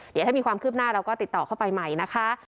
เดี๋ยวถ้ามีความคืบหน้าเราก็ติดต่อเข้าไปใหม่นะคะ